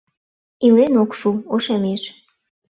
Илен ок шу — ошемеш...